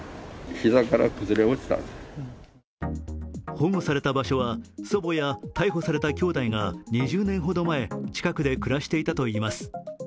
保護された場所は、祖母や逮捕されたきょうだいが２０年ほど前、近くで暮らしていたといいます。